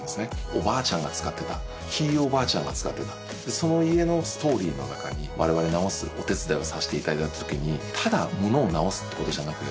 おばあちゃんが使ってたひいおばあちゃんが使ってたでその家のストーリーの中に我々直すお手伝いをさせていただいたときにただものを直すってことじゃなく